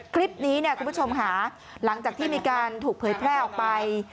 คลิปนี้เนี่ยคุณผู้ชมค่ะหลังจากที่มีการถูกเผยแพร่ออกไป